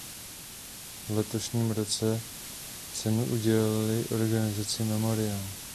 V letošním roce jsme cenu udělili organizaci Memorial.